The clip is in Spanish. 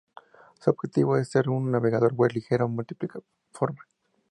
Su objetivo es ser un navegador web ligero multiplataforma.